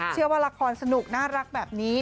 เชื่อว่าละครสนุกน่ารักแบบนี้